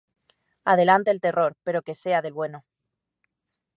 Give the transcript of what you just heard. Adelante el terror, pero que sea del bueno.